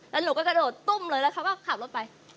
แล้วหนูก็กระโดดตุ้มเลยแล้วเขาก็ขับรถไป